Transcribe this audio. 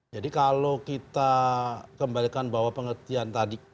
jadi kalau kita kembalikan bahwa pengertian tadi